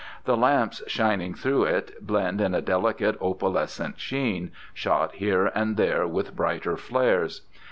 The lamps shining through it blend in a delicate opalescent sheen, shot here and there with brighter flares.